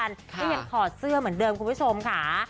ก็ยังถอดเสื้อเหมือนเดิมคุณผู้ชมค่ะ